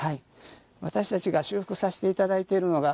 私たちが修復させていただいているのが